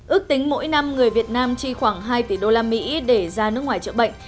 ước tính mỗi năm người việt nam chi khoảng hai tỷ usd để ra nước ngoài chữa bệnh